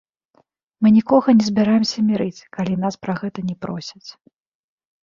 Мы нікога не збіраемся мірыць, калі нас пра гэта не просяць.